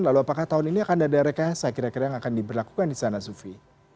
lalu apakah tahun ini akan ada rekayasa kira kira yang akan diberlakukan di sana sufi